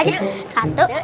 indah kan benar